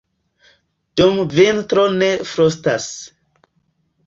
Dum vintro ne frostas.